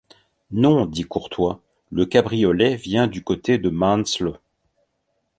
Non, dit Courtois, le cabriolet vient du côté de Mansle.